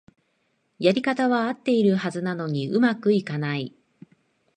やり方はあってるはずなのに上手くいかない